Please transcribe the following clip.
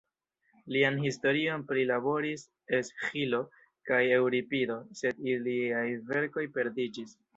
Lian historion prilaboris Esĥilo kaj Eŭripido, sed iliaj verkoj perdiĝis.